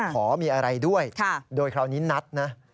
ขอมีอะไรด้วยโดยคราวนี้นัดนะ